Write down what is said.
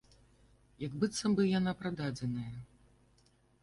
Як быццам бы яна прададзеная.